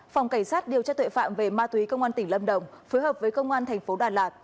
phòng cảnh sát điều tra tuệ phạm về ma túy công an tỉnh lâm đồng phối hợp với công an thành phố đà lạt